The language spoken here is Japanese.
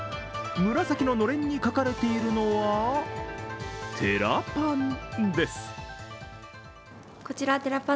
紫ののれんに書かれているのは、「寺パン」です。